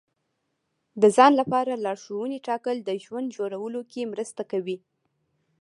د ځان لپاره لارښوونې ټاکل د ژوند جوړولو کې مرسته کوي.